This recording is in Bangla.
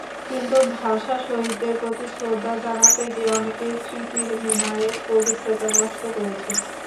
কিন্তু ভাষাশহীদদের প্রতি শ্রদ্ধা জানাতে গিয়ে অনেকেই স্মৃতির মিনারের পবিত্রতা নষ্ট করেছে।